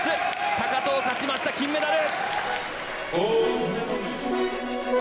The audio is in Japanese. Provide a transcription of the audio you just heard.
高藤勝ちました、金メダル！